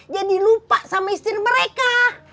jadi lupa sama istrinya mereka